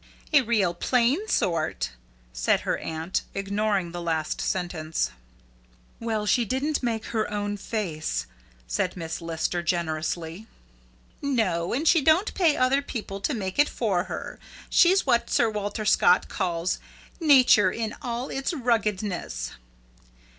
"A real plain sort," said her aunt, ignoring the last sentence. "Well, she didn't make her own face," said Miss Lister generously. "No, and she don't pay other people to make it for her. She's what Sir Walter Scott calls: 'Nature in all its ruggedness.'"